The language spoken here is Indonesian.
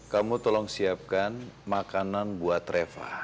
kamu tolong siapkan makanan buat reva